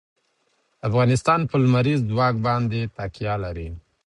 افغانستان په لمریز ځواک باندې تکیه لري.